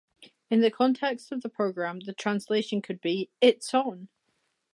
In the context of the program, the translation could be "it's on!".